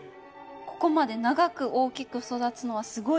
ここまで長く大きく育つのはすごいという事です。